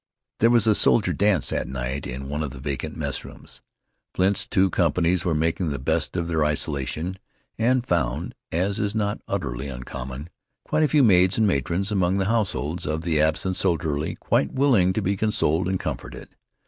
There was a soldier dance that night in one of the vacant messrooms. Flint's two companies were making the best of their isolation, and found, as is not utterly uncommon, quite a few maids and matrons among the households of the absent soldiery quite willing to be consoled and comforted.